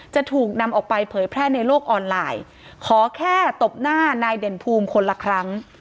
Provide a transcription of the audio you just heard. จะถูกนำออกไปเผยแพร่ในโลกออนไลน์ขอแค่ตบหน้านายเด่นภูมิคนละครั้ง